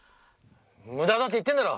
無駄だって言ってんだろ！